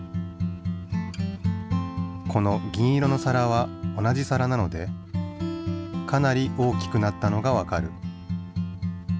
この銀色の皿は同じ皿なのでかなり大きくなったのがわかる。